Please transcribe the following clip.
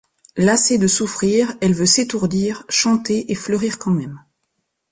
Lassée de souffrir, elle veut s'étourdir, chanter et fleurir quand même.